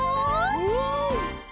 うん！